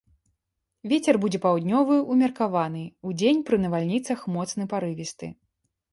Вецер будзе паўднёвы ўмеркаваны, удзень пры навальніцах моцны парывісты.